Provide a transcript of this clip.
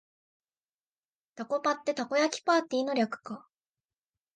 タコパってたこ焼きパーティーの略か